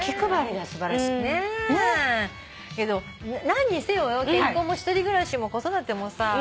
何にせよ結婚も１人暮らしも子育てもさ